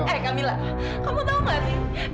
eh kamila kamu tau gak sih